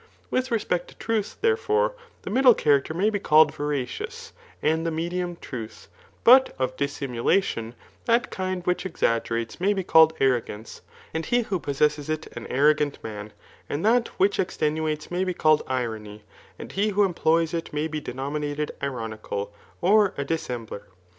With respect to ti'uth, therefore, the middle character tnay be called veracious, and the medium, truth ; but of dissimulation, that kind which exaggerates may be called arrogance, and he who possesses it an arrogant mafl; and that which extenuates may be called irony, and he who employs it may be denominated ironical, or a dissembler.